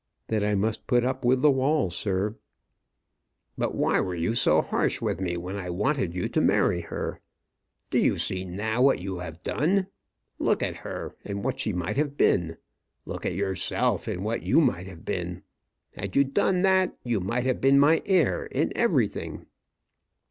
"Then I must put up with the wall, sir." "But why were you so harsh with me when I wanted you to marry her? Do you see now what you have done? Look at her, and what she might have been. Look at yourself, and what you might have been. Had you done that, you might have been my heir in everything."